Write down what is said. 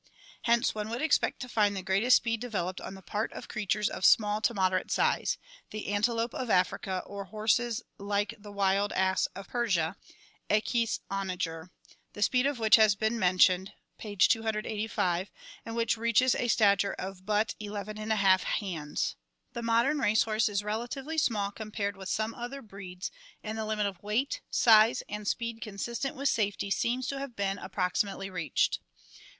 Hence one would expect to find the greatest speed developed on the part of creatures of small to moderate size — the antelope of Africa or horses like the wild ass of Persia (Equus onager) the speed of which has been mentioned (page 285) and which reaches a stature of but n>£ hands. The modern race horse is relatively small compared with some other breeds, and the limit of weight, size, and speed consistent with safety seems to have been approximately reached.